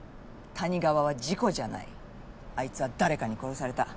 谷川は事故じゃないあいつは誰かに殺された。